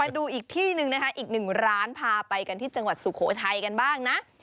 ดูอีกที่หนึ่งนะคะอีกหนึ่งร้านพาไปกันที่จังหวัดสุโขทัยกันบ้างนะ